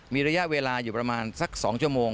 มีระยะเวลาอยู่ประมาณสัก๒ชั่วโมง